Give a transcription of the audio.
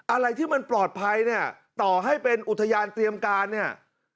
อะไรที่มันปลอดภัยเนี่ยต่อให้เป็นอุทยานเตรียมการเนี่ย